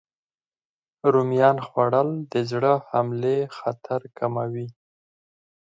رومیان خوړل د زړه حملې خطر کموي.